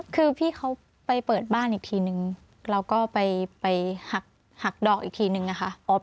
คือพี่เขาไปเปิดบ้านอีกทีนึงเราก็ไปหักดอกอีกทีนึงอะค่ะ